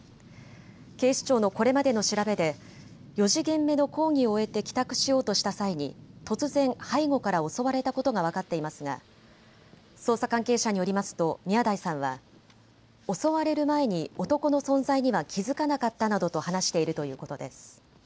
警視庁のこれまでの調べで４時限目の講義を終えて帰宅しようとした際に突然、背後から襲われたことが分かっていますが捜査関係者によりますと宮台さんは襲われる前に男の存在には気付かなかったなどと話しているということです。